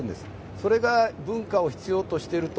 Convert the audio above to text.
それが文化を必要としていると。